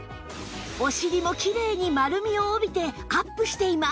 お尻もきれいに丸みを帯びてアップしています